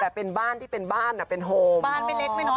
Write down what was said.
แต่เป็นบ้านที่เป็นบ้านเป็นโฮมบ้านไม่เล็กไม่น้อย